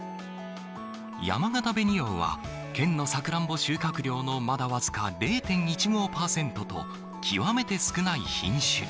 やまがた紅王は、県のさくらんぼ収穫量のまだ僅か０．１５％と、極めて少ない品種。